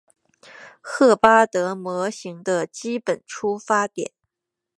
赫巴德模型的基本出发点。